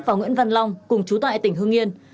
và nguyễn văn long cùng chú tại tỉnh hương yên